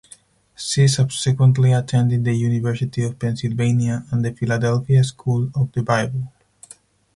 She subsequently attended the University of Pennsylvania and the Philadelphia School of the Bible.